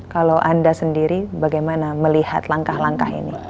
kalau anda sendiri bagaimana melihat langkah langkah ini